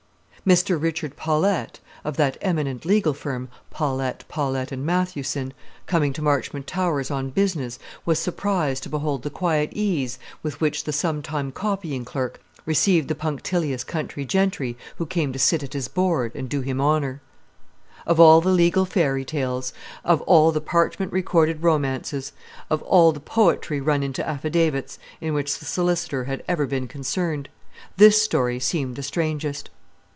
Mr. Richard Paulette, of that eminent legal firm, Paulette, Paulette, and Mathewson, coming to Marchmont Towers on business, was surprised to behold the quiet ease with which the sometime copying clerk received the punctilious country gentry who came to sit at his board and do him honour. Of all the legal fairy tales, of all the parchment recorded romances, of all the poetry run into affidavits, in which the solicitor had ever been concerned, this story seemed the strangest.